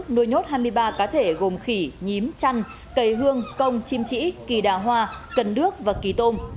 nuôi nhốt hai mươi ba cá thể gồm khỉ nhím chăn cây hương công chim trĩ kỳ đà hoa cần đước và kỳ tôm